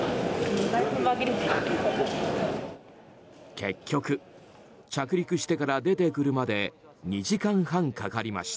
結局着陸してから出てくるまで２時間半かかりました。